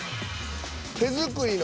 「手作りの」